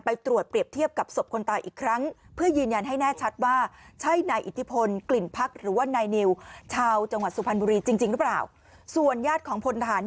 ไปตรวจเปรียบเทียบกับศพคนตายอีกครั้ง